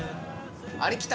あれきた！